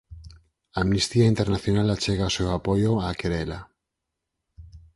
Amnistía Internacional achega o seu apoio á querela.